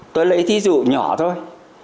tôi lấy thí dụ nhỏ thôi